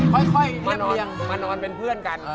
ค่อยมานอนเป็นเพื่อนกัน